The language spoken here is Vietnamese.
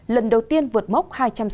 lần đầu tiên vượt mốc hai trăm sáu mươi